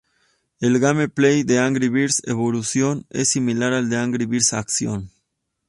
El gameplay de Angry Birds Evolution es similar al de Angry Birds Action!